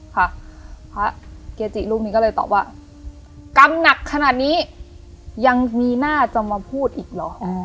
พระเกจิรูปนี้ก็เลยตอบว่ากรรมหนักขนาดนี้ยังมีหน้าจะมาพูดอีกเหรอ